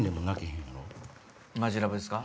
マヂラブですか？